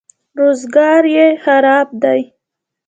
روزګار یې خراب دی.